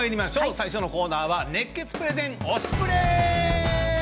最初のコーナーは熱血プレゼン「推しプレ！」。